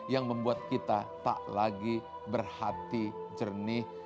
yang membuat kita tak lagi berhati jernih